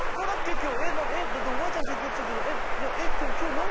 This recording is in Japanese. おばあちゃんち行くっつってたけど今日何？